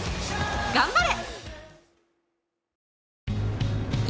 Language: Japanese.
頑張れ！